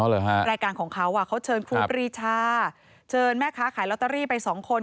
รายการของเขาเขาเชิญครูปรีชาเชิญแม่ค้าขายลอตเตอรี่ไปสองคน